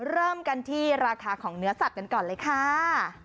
เริ่มกันที่ราคาของเนื้อสัตว์กันก่อนเลยค่ะ